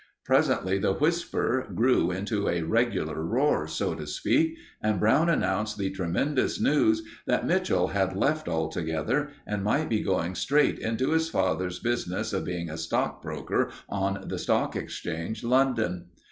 Presently the whisper grew into a regular roar, so to speak, and Brown announced the tremendous news that Mitchell had left altogether, and might be going straight into his father's business of being a stockbroker on the Stock Exchange, London.